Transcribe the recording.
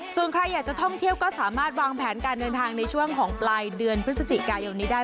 ส่วนใครอยากจะท่องเที่ยวก็สามารถวางแผนการเดินทางในช่วงของปลายเดือนพฤศจิกายนนี้ได้